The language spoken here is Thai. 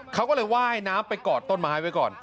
เขาก็เลยไหว้ให้น้ำไปกอดต้นไม้ไปก่อน